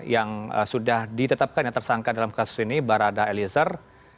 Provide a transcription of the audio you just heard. yang sudah ditetapkan yang tersangka dalam kasus ini barada eliezer